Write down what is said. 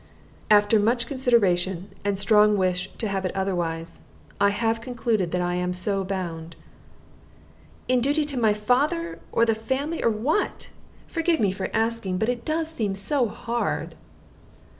"After much consideration and strong wish to have it otherwise, I have concluded that I am so bound." "In duty to my father, or the family, or what? Forgive me for asking, but it does seem so hard."